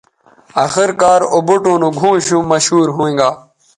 آخر کار او بوٹوں نو گھؤں شُم مشہور ھوینگا